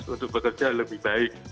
untuk bekerja lebih baik